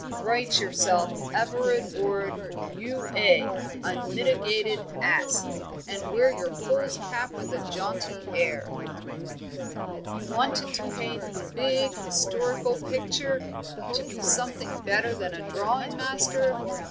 "Write yourself Everard Ward, U.A., unmitigated ass; and wear your fool's cap with a jaunty air. "You wanted to paint a big historical picture! to be something better than a drawing master.